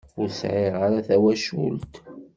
Ur sɛiɣ ara tawacult.